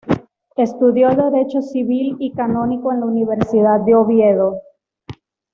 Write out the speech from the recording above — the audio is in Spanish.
Estudió Derecho civil y canónico en la Universidad de Oviedo.